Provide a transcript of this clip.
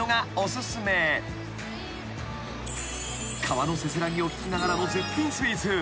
［川のせせらぎを聞きながらの絶品スイーツ］